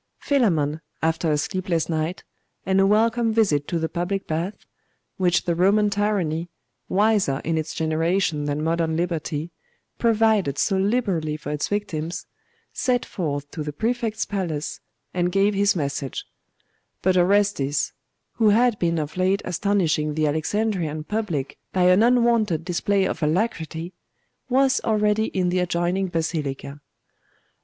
Philammon, after a sleepless night, and a welcome visit to the public baths, which the Roman tyranny, wiser in its generation than modern liberty, provided so liberally for its victims, set forth to the Prefect's palace, and gave his message; but Orestes, who had been of late astonishing the Alexandrian public by an unwonted display of alacrity, was already in the adjoining Basilica.